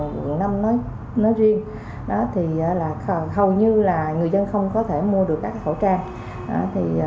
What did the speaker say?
quận năm nói riêng hầu như là người dân không có thể mua được các cái khẩu trang